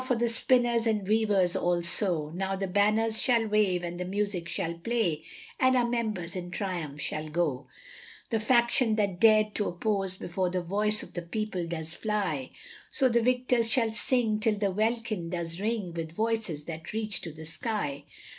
For the spinners and weavers also, Now the banners shall wave, and the music shall play, And our members in triumph shall go; The faction that dared to oppose, Before the voice of the people does fly; So the victors shall sing till the welkin does ring, With voices that reach to the sky.